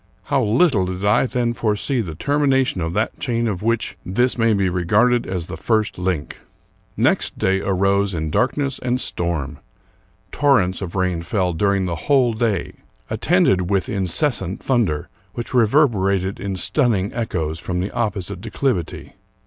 How little did I then foresee the termination of that chain of which this may be regarded as the first link! Next day arose in darkness and storm. Torrents of rain fell during the whole day, attended with incessant thunder, which reverberated in stunning echoes from the opposite declivity.